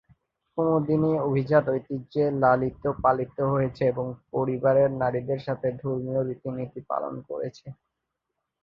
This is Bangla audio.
কুমুদিনী অভিজাত ঐতিহ্যে লালিত পালিত হয়েছে এবং পরিবারের নারীদের সাথে ধর্মীয় রীতিনীতি পালন করেছে।